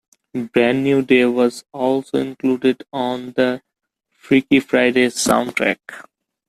"Brand New Day" was also included on the "Freaky Friday" soundtrack.